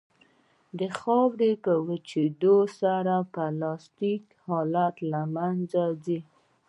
د خاورې په وچېدو سره پلاستیک حالت له منځه ځي